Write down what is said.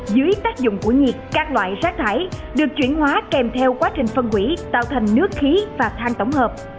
dưới tác dụng của nhiệt các loại rác thải được chuyển hóa kèm theo quá trình phân hủy tạo thành nước khí và than tổng hợp